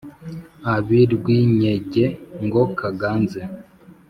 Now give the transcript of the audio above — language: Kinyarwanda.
ab’i rwinyege ngo kaganze.